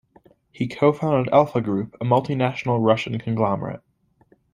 He co-founded Alfa-Group, a multinational Russian conglomerate.